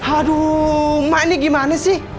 aduh mak ini gimana sih